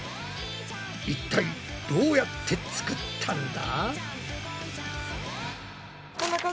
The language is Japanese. いったいどうやって作ったんだ？